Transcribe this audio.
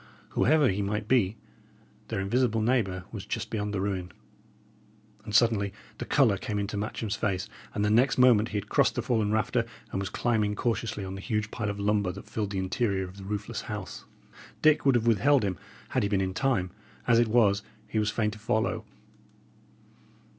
Whoever he might be, their invisible neighbour was just beyond the ruin. And suddenly the colour came into Matcham's face, and next moment he had crossed the fallen rafter, and was climbing cautiously on the huge pile of lumber that filled the interior of the roofless house. Dick would have withheld him, had he been in time; as it was, he was fain to follow.